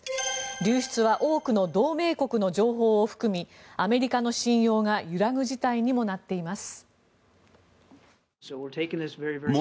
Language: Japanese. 流出は多くの同盟国の情報を含みアメリカの信用が揺らぐ事態にもなっています。